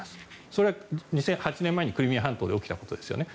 それは８年前にクリミア半島で起きたことですよね。